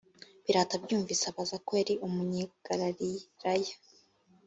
pilato abyumvise abaza ko ari umunyagalilaya